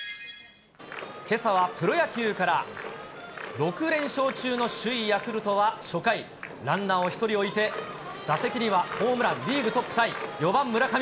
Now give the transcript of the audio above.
６連勝中の首位ヤクルトは初回、ランナーを１人置いて打席にはホームランリーグトップタイ、４番村上。